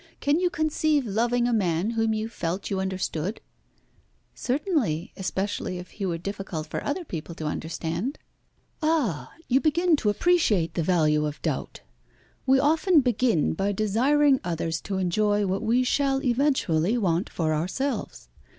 Can you conceive loving a man whom you felt you understood?" "Certainly. Especially if he were difficult for other people to understand." "Ah! you begin to appreciate the value of doubt. We often begin by desiring others to enjoy what we shall eventually want for ourselves.